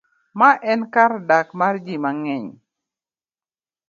Ma enkardak mar ji mang'eny